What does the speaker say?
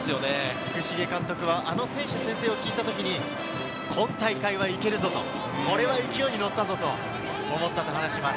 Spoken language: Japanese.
福重監督はあの選手宣誓を聞いたときに、今大会は行けるぞとこれは勢いにのったぞと思ったと話します。